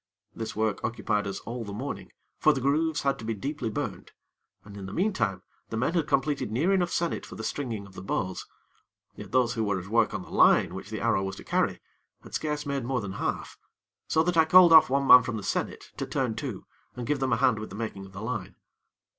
This work occupied us all the morning; for the grooves had to be deeply burnt; and in the meantime the men had completed near enough sennit for the stringing of the bows; yet those who were at work on the line which the arrow was to carry, had scarce made more than half, so that I called off one man from the sennit to turn to, and give them a hand with the making of the line.